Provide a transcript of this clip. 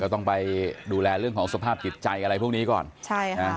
ต้องไปดูแลเรื่องของสภาพจิตใจอะไรพวกนี้ก่อนใช่ค่ะ